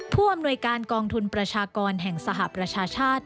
ผู้อำนวยการกองทุนประชากรแห่งสหประชาชาติ